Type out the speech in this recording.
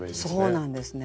そうなんですね。